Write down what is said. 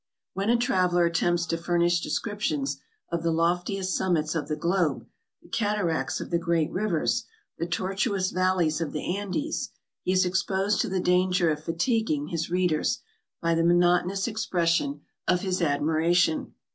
When a traveler attempts to furnish descrip tions of the lofliest summits of the globe, the cataracts of the great rivers, the tortuous valleys of the Andes, he is ex posed to the danger of fatiguing his readers, by the monoto nous expression of his admiration.